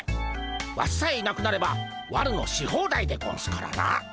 ワシさえいなくなれば悪のし放題でゴンスからな。